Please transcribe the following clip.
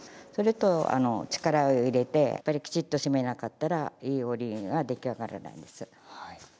それと、力を入れてきちっと締めなかったらいい織りが出来上がらないんです。